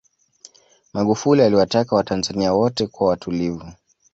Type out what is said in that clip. magufuli aliwataka watanzania wote kuwa watulivu